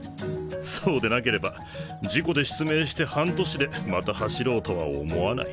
そうでなければ事故で失明して半年でまた走ろうとは思わない。